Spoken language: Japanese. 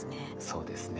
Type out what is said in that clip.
そうですね。